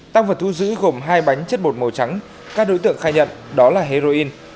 tăng vật thu giữ gồm hai bánh chất bột màu trắng các đối tượng khai nhận đó là heroin